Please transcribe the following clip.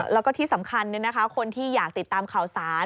แล้วก็ที่สำคัญคนที่อยากติดตามข่าวสาร